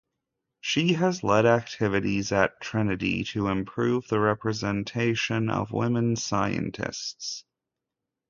She has led activities at Trinity to improve the representation of women scientists.